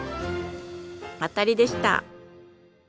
当たりでした。